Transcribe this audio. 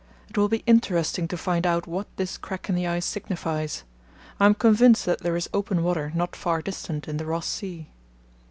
It will be interesting to find out what this crack in the ice signifies. I am convinced that there is open water, not far distant, in the Ross Sea....